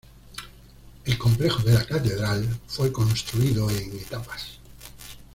El complejo de la catedral fue construido en etapas.